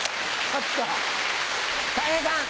たい平さん。